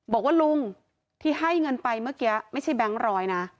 บอกว่าลุงที่ให้เงินไปเมื่อกี้ไม่ใช่แบงค์ร้อยนะ